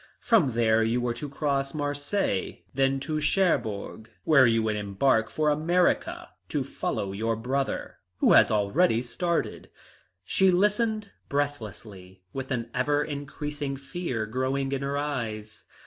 From there you were to cross to Marseilles, then to Cherbourg, where you would embark for America to follow your brother, who has already started." She listened breathlessly with an ever increasing fear growing in her eyes.